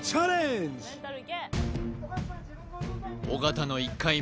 尾形の１回目